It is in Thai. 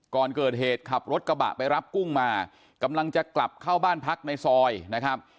ก่อนเกิดเหตุขับรถกระบะไปรับกุ้งมากำลังจะกลับเข้าบ้านพักในซอยนะครับ